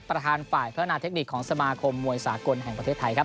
ประธานฝ่ายพัฒนาเทคนิคของสมาคมมวยสากลแห่งประเทศไทยครับ